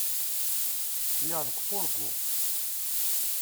Lliɣ deg ufurgu.